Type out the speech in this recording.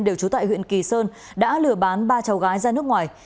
đều trú tại huyện kỳ sơn đã lừa bán ba cháu gái ra nước ngoài